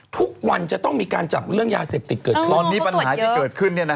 ทุกวันจะต้องมีการจับเรื่องยาเสบติกเกิดขึ้น